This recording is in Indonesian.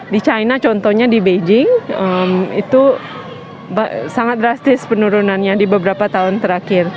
di china contohnya di beijing itu sangat drastis penurunannya di beberapa tahun terakhir